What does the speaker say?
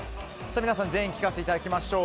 皆さん、全員聞かせていただきましょう。